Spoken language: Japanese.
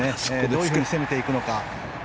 どういうふうに攻めていくのか。